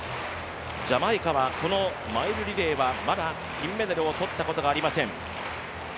ジャマイカはこのマイルリレーはまだ金メダルを取ったことがありません。